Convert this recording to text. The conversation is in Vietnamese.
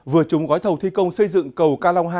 vừa trúng gói thầu thi công xây dựng cầu ca long hai